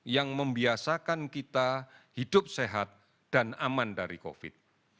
yang membiasakan kita hidup sehat dan aman dari covid